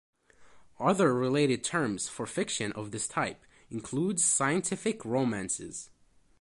Other related terms for fiction of this type include scientific romances.